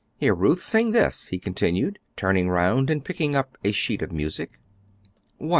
"Here, Ruth, sing this," he continued, turning round and picking up a sheet of music. "What?"